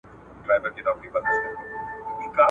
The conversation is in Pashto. بیا به وینی چي رقیب وي له جنډۍ سره وتلی !.